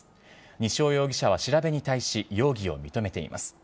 西尾容疑者は調べに対し容疑を認めています。